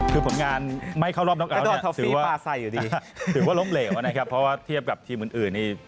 คือผลงานไม่เข้ารอบน้องอาวนี่ถือว่าถือว่าล้มเหลวนะครับเพราะว่าเทียบกับทีมอื่น